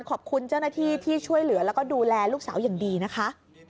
ขอบคุณเจ้าหน้าที่ที่ช่วยเหลือแล้วก็ดูแลลูกสาวอย่างดีนะคะ